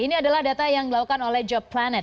ini adalah data yang dilakukan oleh job planet